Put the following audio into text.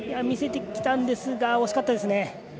見せてきたんですが惜しかったですね。